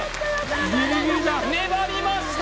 粘りました！